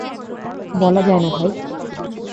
বলা যায় না ভাই।